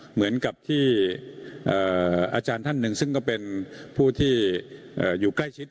เหมือนกับที่อาจารย์ท่านหนึ่งซึ่งก็เป็นผู้ที่อยู่ใกล้ชิด